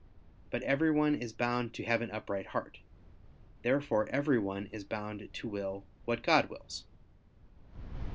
But everyone is bound to have an upright heart. Therefore everyone is bound to will what God wills.